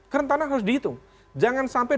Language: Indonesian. kerentanan harus dihitung jangan sampai